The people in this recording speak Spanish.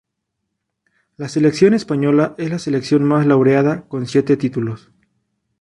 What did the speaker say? La Selección española es la selección más laureada con siete títulos.